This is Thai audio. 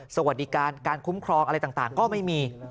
สวัสดีการการคุ้มครองอะไรต่างก็ไม่มี